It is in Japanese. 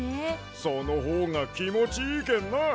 そのほうがきもちいいけんな！